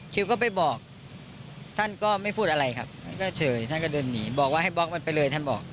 คิวก็ไปบอกท่านก็ไม่พูดอะไรครับท่านก็เฉยท่านก็เดินหนีบอกว่าให้บล็อกมันไปเลยท่านบอก